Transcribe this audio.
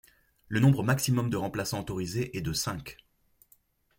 Le nombre maximum de remplaçants autorisé est de cinq.